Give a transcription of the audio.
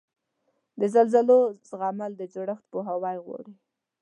د زلزلو زغمل د جوړښت پوهاوی غواړي.